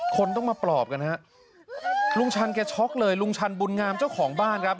คนต้องมาปลอบกันฮะลุงชันแกช็อกเลยลุงชันบุญงามเจ้าของบ้านครับ